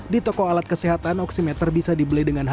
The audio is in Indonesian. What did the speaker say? di toko alat kesehatan oksimeter bisa dibeli dengan harga